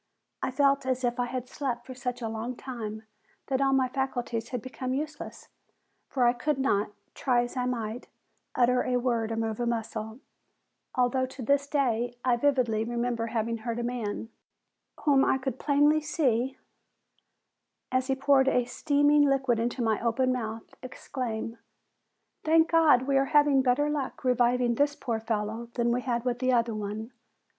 I felt as if I had slept for such a long time that all my faculties had become useless, for I could not, try as I might, utter a word or move a muscle, although to this day I vividly remember having heard a man, whom I could plainly see as he poured a steaming liquid into my open mouth, exclaim: "Thank God we are having better luck reviving this poor fellow than we had with the other one!